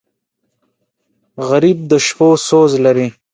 غریب د شپو سوز لري